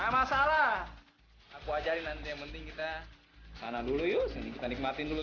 gak masalah aku ajarin nanti yang penting kita sana dulu yuk kita nikmatin dulu